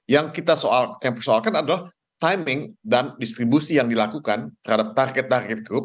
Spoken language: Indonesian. yang kita persoalkan adalah timing dan distribusi yang dilakukan terhadap target target grup